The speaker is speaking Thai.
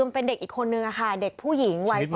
เป็นเด็กอีกคนนึงค่ะเด็กผู้หญิงวัย๒